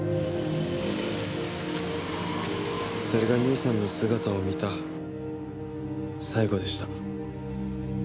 それが兄さんの姿を見た最後でした。